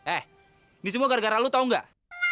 eh ini semua gara gara lu tau gak